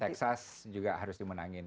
dan texas juga harus dimenangin